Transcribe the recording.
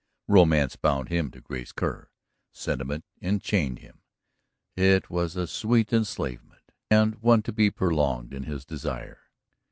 Romance bound him to Grace Kerr; sentiment enchained him. It was a sweet enslavement, and one to be prolonged in his desire.